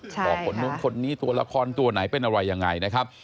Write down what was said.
บอกคนนู้นคนนี้ตัวละครตัวไหนเป็นอะไรยังไงนะครับ